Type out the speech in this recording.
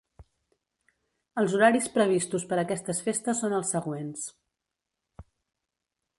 Els horaris previstos per aquestes festes són els següents:.